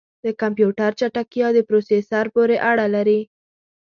د کمپیوټر چټکتیا د پروسیسر پورې اړه لري.